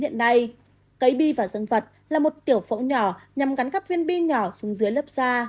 cắn bi và dân vật là một tiểu phẫu nhỏ nhằm gắn gắp viên bi nhỏ xuống dưới lớp da